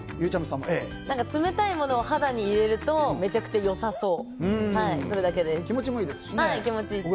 冷たいものを肌に入れるとめちゃくちゃ良さそう気持ちもいいですしね。